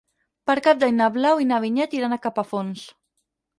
Per Cap d'Any na Blau i na Vinyet iran a Capafonts.